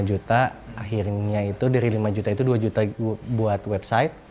lima juta akhirnya itu dari lima juta itu dua juta buat website